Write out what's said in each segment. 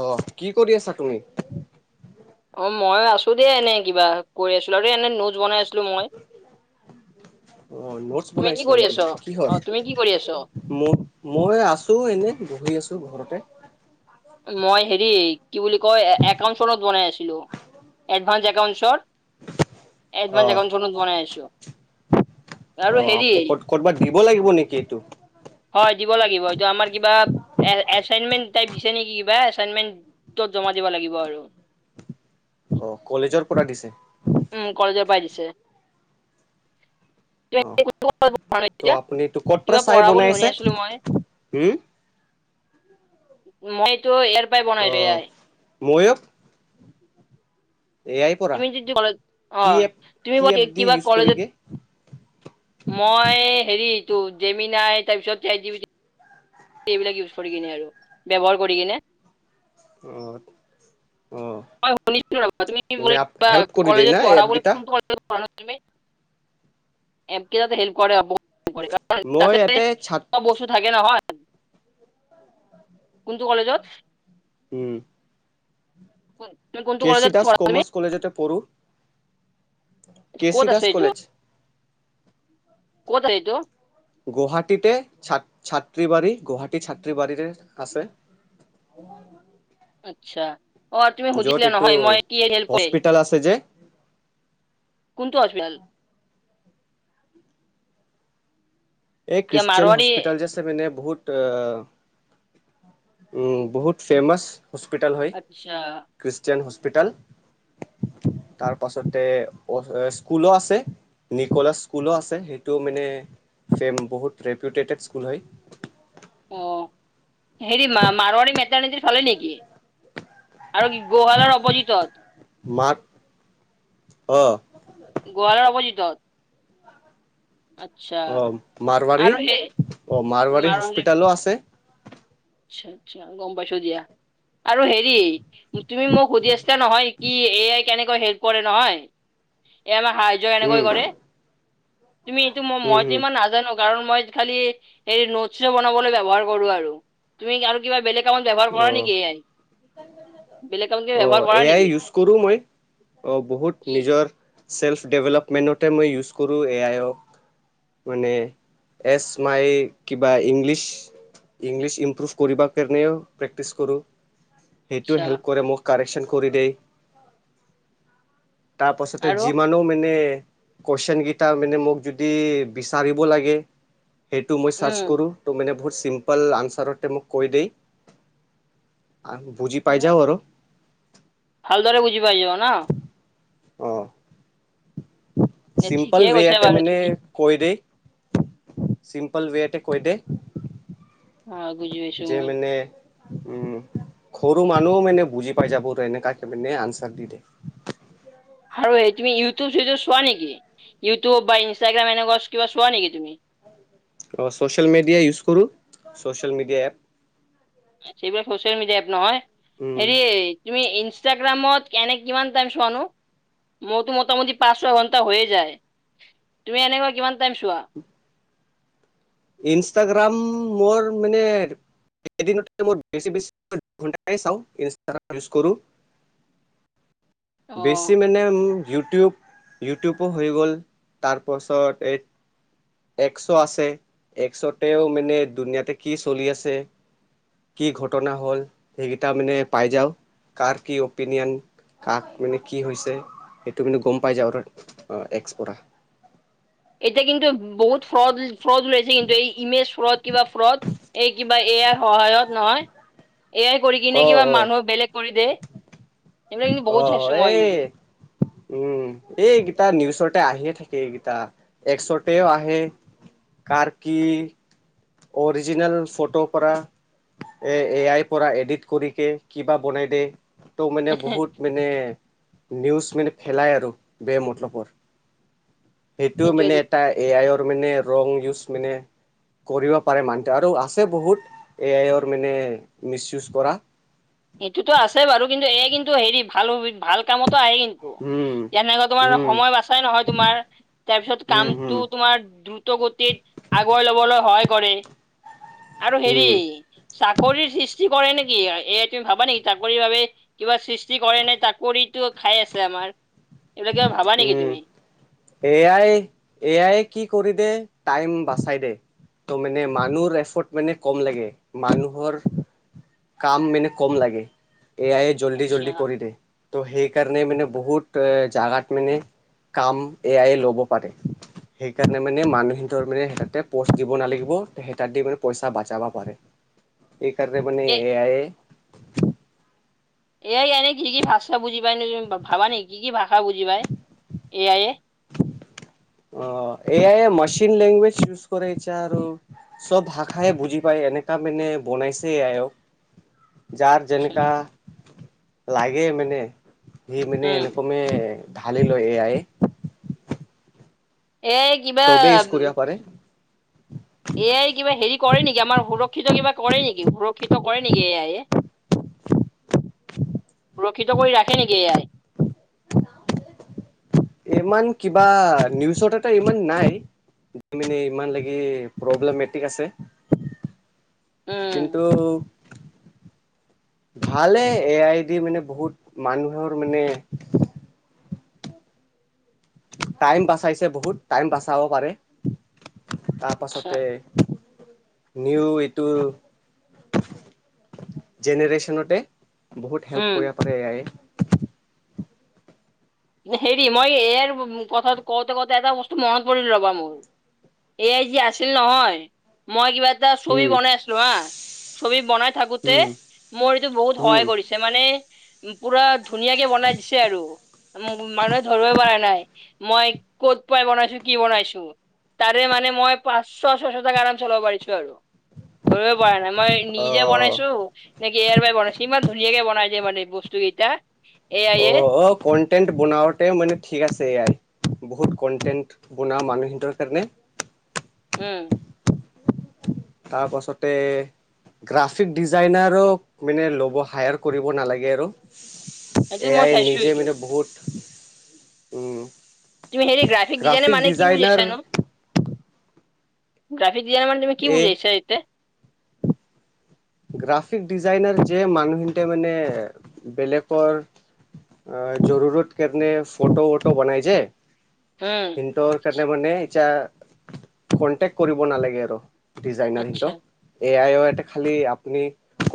অ' কি কৰি আছা তুমি? অ' মই আছো দেই এনে কিবা, কৰি আছিলো। আৰু এনে নোটছ বনাই আছিলো মই। অ' নোটছ তুমি কি বনাইছিলা কৰি নেকি? আছ অ কিহৰ? তুমি কি কৰি আছ ম-মই আছো এনে, বহি আছো ঘৰতে। মই হেৰি কি বুলি কয়, একাউন্টচনত বনাই আছিলো। এডভাঞ্চ একাউন্টচত অ এডভান্স একাউণ্টচনত বনাই আছো। আৰু অ' হেৰি আপুনি ক'ত ক'তবাত দিব লাগিব নেকি এইটো? হয় দিব লাগিব এইটো। আমাৰ কিবা এছাইনমেণ্ট টাইপ দিছে। নেকি কিবা। এচাইনমেণ্টত জমা দিব লাগিব আৰু। অ' কলেজৰ পৰা দিছে? উম কলেজৰ পাই দিছে। তুমি অ'। কোনটো কলেজত পঢ়া নো ত' এতিয়া আপুনি এইটো ক'ৰ পৰা কিবা চাই পঢ়া বুলি শুনি বনাইছে? আছিলো মই হুম। মই এইটো ইয়াৰ পৰাই অ বনালো। এআই। ময়ো এয়াই পৰা তুমি যিটো কলেজ, কি অ' এপ তুমি কি এপ দি কিবা ইউজ কলেজত কৰিকে মই হেৰিটো জেমিনাই, তাৰপিছত চাটজিপিটি এইবিলাক ইউজ কৰি কিনে আৰু। ব্যৱহাৰ কৰি কিনে। অ'। অ শুনিছো ৰ'বা [unintelligible] তুমি মানে হেল্প কৰি দিয়ে কলেজে না এই পঢ়া বোলে? এপকেইটা কোনটো কলেজত পঢ়া? [unintelligible] এপ কি যাতে হেল্প কৰে আৰু বহুত কৰে কাৰণ মই তাতে, ইয়াতে ছাত চব বস্তু থাকে নহয়! কোনটো কলেজত? উম। তুমি কোনটো কেচি কলেজত দাস পঢ়া তুমি কমাৰ্চ কলেজতে পঢ়ো। কে চি ক'ত দাস আছে এইটো কলেজ। ক'ত আছে এইটো? গুহাটীতে। ছাত্ৰীবাৰী, গুহাটী ছাত্ৰীবাৰীৰে আছে। আচ্ছা। অ' তুমি য'ত সুধিছিলা এইটো নহয় মই কি হেল্প [unintelligible] হস্পিতাল আছে যে কোনটো আজমাল? এই কিয় খ্ৰীষ্টিয়ান মাৰোৱাৰী হস্পিটেল যে আছে মানে বহুত, ত উম বহুত ফেমাছ। হস্পিটেল হয় আচ্ছা খ্ৰীষ্টিয়ান হস্পিটেল। তাৰ পাছতে অ স্কুলো আছে। নিকলা স্কুলো আছে সেইটো মানে ফেম বহুত ৰেপুউটেটেড স্কুল হয়। অ হেৰি মা মাৰোৱাৰাৰী মেটনদিৰ চলে নেকি? আৰু গোহালৰ অপজিতত। মাক অঁ। যত অ মাৰবাৰী আৰু সেই অ মাৰবাৰী আৰু হেৰি- হস্পিতালো আছে। আচ্ছা আচ্ছা গম পাইছো দিয়া। আৰু হেৰি তুমি মোক সুধি আছা নহয় কি এ আই কেনেকৈ হেল্প কৰে নহয়। এ আমাৰ সাহাৰ্য এনেকৈ উম কৰে তুমি এইটো মই উম মইতো ইমান নাজানো। কাৰণ মই খালি হে নোটছ বনাবলৈ ব্যৱহাৰ কৰো আৰু। তুমি আৰু কিবা বেলেগ কামত ব্যৱহাৰ উম কৰা অ নেকি এ আই? বেলেগ কামত কিবা অ ব্যৱহাৰ কৰা এ আই নেকি ইউজ কৰো মই, অ বহুত কি নিজৰ চেল্ফ ডেভেলপমেণ্টতে মই ইউজ কৰোঁ এ আই অক । মানে এছ মাই কিবা ইংলিছ । ইংলিছ ইমপ্ৰুভ কৰিব কাৰণেও প্ৰেক্টিচ কৰো, সেইটো আচ্ছা হেল্প কৰে মোক । কাৰেকচন কৰি দেই । তাৰপাছতে আৰু যিমানো মানে কুৱেশন কেইটা মানে মোক যদি বিচাৰিব লাগে, সেইটো মই উম চাৰ্চ কৰোঁ তো মানে বহুত চিম্পল আনচাৰতে মোক কৈ দেই । বুজি পাই যাও আৰু । ভালদৰে বুজি পাই যোৱা ন? অহ । এ চিম্পল ঠিকেই ৱে কৈছা এটা বাৰু মানে তুমি কৈ দে । চিম্পল ৱেতে কৈদে । অ আ বুজি পাইছো মই । উম । সৰু মানুহ মানে বুজি পাই যাব এনে কাকে মানে আনচাৰ দি দে । আৰু তুমি ইউটিউব ভিডি চোৱা নেকি? ইউটিউব বা ইনষ্টাগ্ৰাম এনেকুৱা কিবা চোৱা নেকি তুমি? অ ছ'চিয়েল মিডিয়া ইউজ কৰো, ছচিয়েল মিডিয়া এপ । সেইবিলাক চচিয়েল মিডিয়াত নহয় । উম, হেৰি তুমি ইনষ্টাগ্ৰামত কেনে কিমান টাইম চোৱানো? মতো মোটামুটি পাঁচ ছয় ঘন্টা হৈয়ে যায় । তুমি এনেকুৱা কিমান টাইম চোৱা? ইনষ্টাগ্ৰাম মোৰ মানে, ি [unintelligible] বেছি বেছি ঘণ্টাহে চাও ইউজ কৰো । [inaudible] বেচি অ'। মানে উম ইউটিউব ইউটিউবো হৈ গ'ল, তাৰপাছত এই একশ আছে, একশতেও মানে দুনীয়াতে কি চলি আছে । কি ঘটনা হল, সেইকেইটা মানে পাই যাও, কাৰ কি অপিনিয়ন । কাক মানে কি হৈছে, সেইটো মানে গম পাই যাওঁ আৰু একস পৰা । এতিয়া কিন্তু বহুত ফ্ৰড ফ্ৰড ওলাইছে কিন্তু, এই ইমেজ ফ্ৰড কিবা ফ্ৰড । এই কিবা এ আই সহায়ত নহয় এ আই কৰি অ কিনে কিবা অ মানুহ বেলেগ কৰি দ। অ এই কিন্তু। উম এইকেইটা নিউজতে আহিয়ে থাকে এইকেইটা একছতেও আহে । কাৰ কি অৰিজিনেল ফটো পৰা, এ এ আইৰ পৰা এডিট কৰি কে কিবা বনাই দে । ত' মানে বহুত মানে নিউজ মানে খেলাই আৰু বেয়া মতলবৰ। সেইটোও মানে সেইটোৱেটো এটা এ আইৰ মানে ৰং ইউজ মানে কৰিব পাৰে মানুহটো, আৰু আছে বহুত এ আইৰ মানে মিচ ইউজ কৰা । সেইটোতো আছে বাৰু। কিন্তু এ আই কিন্তু হেৰি ভাল- ভাল কামতো আহে কিন্তু উম । যেনেকুৱা তোমাৰ উম সময় বাচাই নহয় তোমাৰ তাৰপিছত উম কামটো হম তোমাৰ দ্ৰুত গতিত আগুৱাই লবলৈ হয় কৰে আৰু হেৰি উম চাকৰিৰ সৃষ্টি কৰে নেকি এ আইত তুমি ভাবা নেকি চাকৰিৰ বাবে কিবা সৃষ্টি কৰে নে চাকৰিটো খাই আছে আমাৰ? এইবিলাক কিবা ভাবা নেকি উম, তুমি এ আই -এ আইয়ে কি কৰি দে টাইম বাচাই দে। ত' মানে মানুহ এফৰ্ট মানে কম লাগে। মানুহৰ কাম মেনে কম লাগে। এয়াইয়ে জল্দি- জল্দি আচ্ছা কৰি দে। তো সেইকাৰণে মানে বহুত জাগা মানে কাম এ আই এ লব পাৰে। সেইকাৰণে মানে মানুহিনতৰ মানে পষ্ট দিব নালাগিব সেই তাত দি মানে পইচা বাচাবা পাৰে। [inaudible] এইকাৰনে মানে A I A A I এনে কি কি ভাছা বুজি পাই [unintelligible] ভাবা নেকি কি কি ভাষা বুজি পায়? A I A oh, A I য়ে মচিন লেংগুৱেজ ইউজ কৰিচে আৰু চব ভাষাই বুজি পায় এনেকা মানে বনাইছে এ আইক। [inaudible] যাৰ যেনেকা লাগে মানে সি মানে উম এনেকমে ঢালি লয় এ আইয়ে । এয়াই কিবা চবেই ইউজ কৰিব পাৰে -এয়াই কিবা হেৰি কৰে নেকি আমাৰ সুৰক ৰক্ষিত কিবা কৰে নেকি সুৰক্ষিত কৰে নেকি এ আইয়ে? [inaudible] সুৰক্ষিত কৰি ৰাখে নেকি এ আই? ইমান কিবা নিউজত এটা ইমান নাই। মিনে ইমান লাগি প্ৰব্লেমেটিক আছে [inaudible] উম কিন্তু, [inaudible] ভালে এ আই ডি মানে বহুত মানুহৰ মানে টাইম বাচাইছে বহুত টাইম বাচাব পাৰে। তাৰ আচ্ছা পাছতে নিউ এইটোৰ জেনেৰেচনতে বহুত হেল্প উম। কৰিবা পাৰে এ আইয়ে । হেৰি মই এ আইৰ কথা কওঁতে- কওঁতে এটা বস্তু মনত পৰিল ৰ'বা মোৰ এ আই জি আছিল নহয় মই কিবা এটা চবি উম বনাই আছিলো হা ছবি বনাই থাকোতে উম মোৰ এইটো বহুত উম সহায় কৰিছে মানে উম, পুৰা ধুনীয়াকে বনাই দিছে আৰু। মানুহে ধৰবই পাৰা নাই মই ক'ত পাই বনাইছো কি বনাইছো। তাৰে মানে মই পাঁচশ, ছশ টাকা আৰামচে ওলাব পাৰিছো আৰু। ধৰিব পৰা নাই মই অ নিজে বনাইছো নেকি কি এ আই পাই বনাইছে ইমান ধুনীয়াকে বনাই যে মানে বস্তুকেইটা। অহ -অহ কণ্টেণ্ট বনাওতে মানে ঠিক আছে, এ আই। বহুত কন্টেণ্ট বনুৱা মানুহ হেন্তৰ কাৰণে উম তাৰ পাছতে গ্ৰাফিক ডিজাইনাৰো, মানে ল'ব। হায়াৰ কৰিব নালাগে আৰু! সেইটো মই এআই চাইছো নিজে এইটো মানে বহুত, উম তুমি হেৰি গ্ৰাফিক ডিজাইনে মানে কি বুজিছানো? গ্ৰাফিক গ্ৰাফিক ডিজাইনাৰ মানে তুমি কি এ বুজাইছা ইয়াতে? গ্ৰাফিক ডিজাইনাৰ যে মানুহতে মানে, বেলেগৰ অ' জৰুৰত কেনে ফ'টো -টটো বনাই যে উম সেইটোৰ কাৰণে মানে ইতিয়া, কনটেক্ট কৰিব নালাগে আৰু! ডিজাইনাৰ আচ্ছা সেইটো, এআই ৰ এটা খালি আপুনি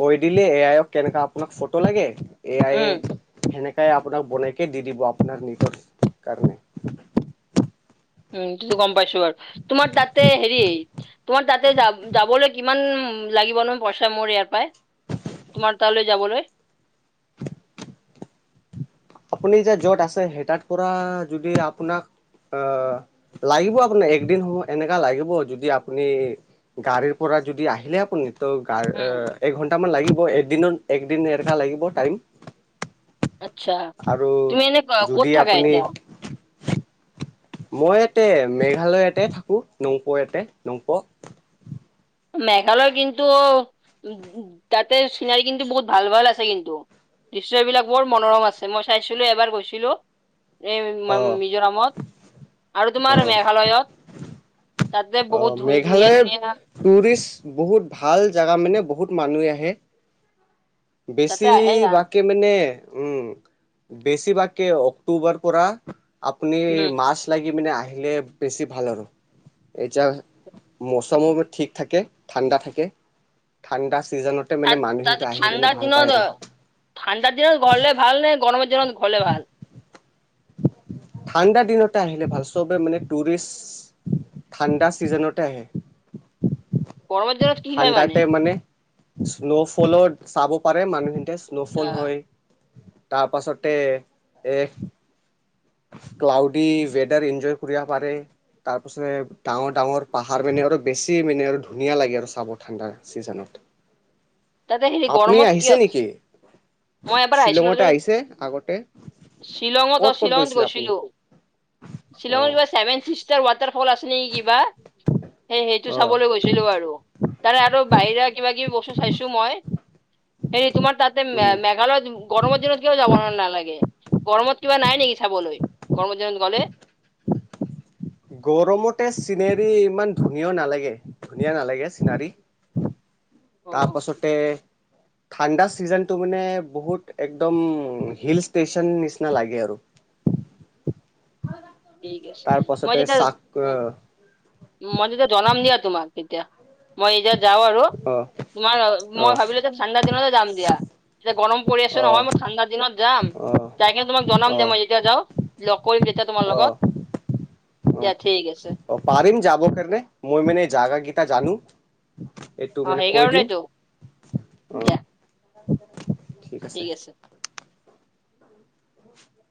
কৈ দিলে, এআইক কেনেকা আপোনাক ফটো লাগে! এআইয়ে উম সেনে কাই আপোনাক বনাইযে দি দিব, আপোনাৰ নিজৰ কাৰণে। উম তো গম পাইছো বাৰু। তোমাৰ তাতে হেৰি, তোমাৰ তাতে যাবলৈ কিমান লাগিবনো পইচা, মোৰ ইয়াৰ পৰাই, তোমাৰ তালৈ যাবলৈ? আপুনি যে য'ত আছে সেই তাৰ পৰা যদি আপোনাক আ লাগিব আপোনাৰ, একদিন সময় এনেকা লাগিব যদি আপুনি গাড়ীৰ পৰা যদি আহিলে আপুনি ত গা উম একঘন্টামান লাগিব একদিনত। একদিন এক ঘণ্টা লাগিব টাইম। আচ্ছা। আৰু তুমি এনে ক'ত যদি থাকা আপুনি এতিয়া? মই ইয়াতে মেঘালয়তে থাকো। নংপৌ ইয়াতে নংপৌ। মেঘালয় কিন্তু, উ তাতে চিনাকি কিন্তু বহুত ভাল ভাল আছে কিন্তু। দৃশ্য এইবিলাক বৰ মনোৰম আছে। মই চাইছিলো এবাৰ গৈছিলো। এই অ মিজোৰামত ।আৰু অ তোমাৰ মেঘালয়ত। তাতে বহুত অ' ধু ধুনীয়া মেঘালয়ে ধুনীয়া টুৰিষ্ট বহুত ভাল জেগা মানে। বহুত মানুহ আহে। তাতে বেছি আহে না বাকী মানে উম বেছিভাগকে অক্টোবৰ পৰা আপুনি উম। মাছ লাগি মিনে আহিলে বেছি ভাল আৰু! এতিয়া মৌচমো ঠিক থাকে। ঠাণ্ডা থাকে। ঠাণ্ডা ছিজনতে মানে তাত তাত মানুহখিনিতে আহি মানে ঠাণ্ডাৰ ভাল পায় দিনত, আৰু ঠাণ্ডাৰ দিনত গ'লে ভাল নে? গৰম দিনত গ'লে ভাল? ঠাণ্ডা দিনতে আহিলে ভাল। চবে মানে টুৰিষ্ট ঠাণ্ডা ছিজনতে আহে। গৰমৰ দিনত কি হয় মানে? স্নোফলো চাব পাৰে মানুহহিনতে, স্নোফল আহ হয়। তাৰ পাছতে, এ ক্লাউডি ৱেডাৰ ইনজয় কৰিব পাৰে। তাৰ পিছতে ডাঙৰ ডাঙৰ পাহাৰ মানে আৰু বেছি মানে আৰু ধুনীয়া লাগে আৰু চাব ঠাণ্ডা চিজনত। তাতে হেৰি গৰমত কিয়, নেকি? মই এবাৰ আহিছিলো শ্বিলঙতে আৰু ত আহিছে আগতে শ্বিলঙত ক'ত অ' ক'ত শ্বিলঙত গৈছিলে আপুনি? গৈছিলো। শ্বিলঙত অ' কিবা ছেভেনচিষ্টাৰ ৱাটাৰফল আছে নিকি কিবা! সেই সেইটো অ' চাবলৈ গৈছিলোঁ আৰু ।তাৰে আৰু বাহিৰা কিবাকিবি বস্তু চাইছো মই। হেৰি তোমাৰ তাতে উম। মেঘালয়ত গৰমৰ দিনত কিয় যাব নালাগে? গৰমত কিবা নাই নেকি চাবলৈ? গৰমত দিনত গ'লে! গৰমতে চিনেৰি ইমান ধুনীয়া নালাগে, ধুনীয়া নালাগে চিনেৰী। অ তাৰপাছতে ঠাণ্ডা চিজনটো মানে বহুত একদম হিল ষ্টেচন নিচিনা লাগে আৰু। [inaudible] ঠিক আছে। তাৰ মই পাছতে যেতিয়া চাক উ মই যেতিয়া জনাম দিয়া। তোমাক তেতিয়া মই এতিয়া যাওঁ আৰু। অ অ তোমাৰ অ মই ভাবিলো যে ঠাণ্ডা দিনতে যাম দিয়া। এতিয়া গৰম পৰি আছে অ নহয়! মই ঠাণ্ডা দিনত যাম। যাই কিনে তোমাক জনাম অ অ দিয়া, মই যেতিয়া যাওঁ! লগ কৰিম তেতিয়া তোমাৰ লগত। অ দিয়া ঠিক আছে অ পাৰিম যাব কাৰনে মই মানে এই জাগা জানো এইটো অ মানে কৈ দিম সেইকাৰণেতো অ দিয়া ঠিক আছে উ